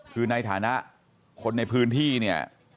คือในฐานะคนในพื้นที่เนี่ย